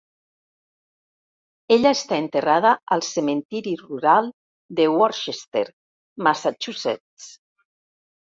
Ella està enterrada al cementiri rural de Worcester, Massachusetts.